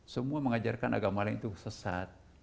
semua mengajarkan agama lain itu sesat